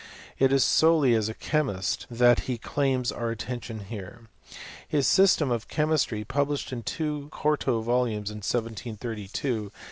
It is solely as a chemist that he claims our attention here. His system of chemistry, published in two quarto volumes in 1732, and of which p2 212